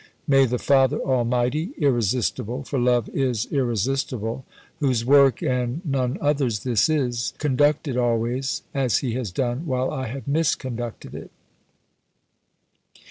May the Father Almighty, Irresistible for Love is irresistible whose work and none other's this is, conduct it always, as He has done, while I have misconducted it.